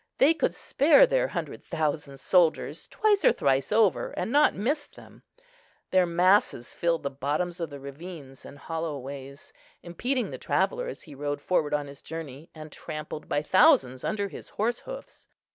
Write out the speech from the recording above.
They could spare their hundred thousand soldiers twice or thrice over, and not miss them; their masses filled the bottoms of the ravines and hollow ways, impeding the traveller as he rode forward on his journey, and trampled by thousands under his horse hoofs.